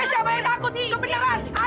hei siapa yang takut ini kebeneran